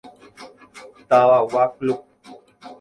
Tavagua club.